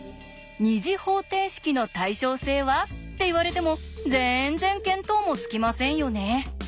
「２次方程式の対称性は？」って言われてもぜんぜん見当もつきませんよね。